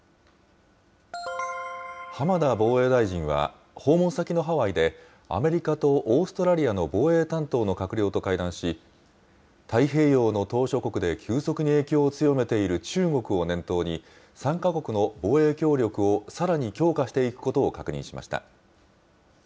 浜田防衛大臣は、訪問先のハワイで、アメリカとオーストラリアの防衛担当の閣僚と会談し、太平洋の島しょ国で急速に影響を強めている中国を念頭に、３か国の防衛協力をさらに強化していくことを確認しました。